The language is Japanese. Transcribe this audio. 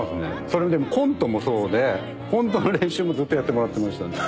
それでもコントもそうでコントの練習もずっとやってもらってましたね。